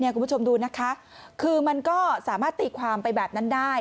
คุณผู้ชมดูนะคะคือมันก็สามารถตีความไปแบบนั้นได้